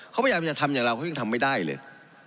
เขาพยายามจะทำอย่างเราเขายังทำไม่ได้เลย